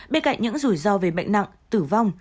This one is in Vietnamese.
bên cạnh những rủi ro về bệnh nặng tử vong